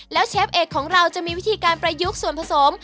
แล้วเชฟเอกของเราจะมีวิธีการประยุกต์ส่วนผสม